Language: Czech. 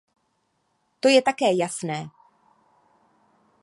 To je také jasné.